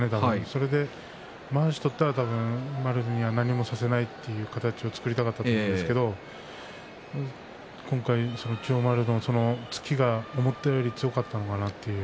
それでまわしを取ったら丸には何もさせないという形を作りたかったんですけど今回、千代丸の突きが思ったより強かったのかなっていう。